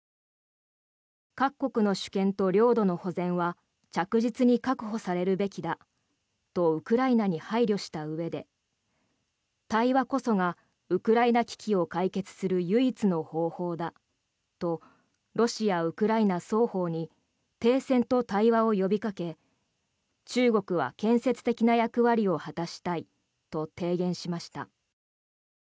各国の主権と領土の保全は着実に確保されるべきだとウクライナに配慮したうえで対話こそがウクライナ危機を解決する唯一の方法だとロシア、ウクライナ双方に停戦と対話を呼びかけ中国は建設的な役割を果たしたいと提言しました。